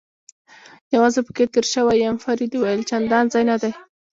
یوازې پکې تېر شوی یم، فرید وویل: چندان ځای نه دی.